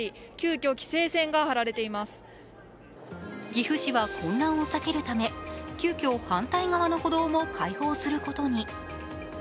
岐阜市は混乱を避けるため、急きょ反対側の歩道も開放することに。